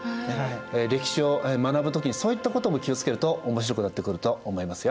歴史を学ぶ時にそういったことも気をつけると面白くなってくると思いますよ。